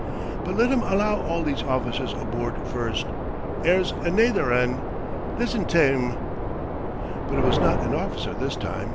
But let 'em allow all these officers aboord first 'ere's anither ane listen tae 'im!" But it was not an officer this time.